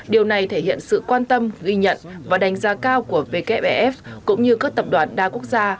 điều này thể hiện sự quan tâm ghi nhận và đánh giá cao của wfef cũng như các tập đoàn đa quốc gia